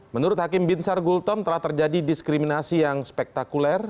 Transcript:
menurut hakim binsar gultom telah terjadi diskriminasi yang spektakuler